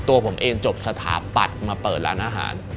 ตัวผมเองจบสถาปัตย์มาเปิดร้านอาหาร